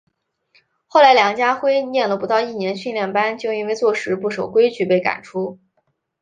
后来梁家辉念了不到一年训练班就因为做事不守规矩被赶出。